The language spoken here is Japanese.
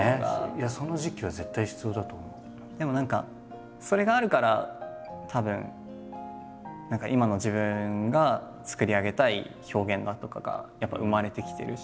でも何かそれがあるからたぶん何か今の自分が作り上げたい表現だとかがやっぱ生まれてきてるし。